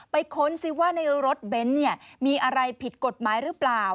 ค้นสิว่าในรถเบนท์มีอะไรผิดกฎหมายหรือเปล่า